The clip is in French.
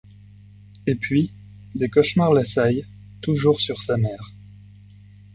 Et puis, des cauchemars l'assaillent, toujours sur sa mère.